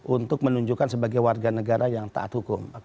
untuk menunjukkan sebagai warga negara yang taat hukum